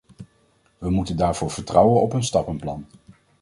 We moeten daarvoor vertrouwen op een stappenplan.